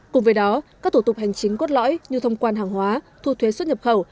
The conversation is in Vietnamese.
cùng với đó các thủ tục hành chính cốt lõi như thông quan hàng hóa thu thuế xuất nhập khẩu